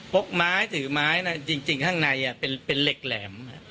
กไม้ถือไม้จริงข้างในเป็นเหล็กแหลม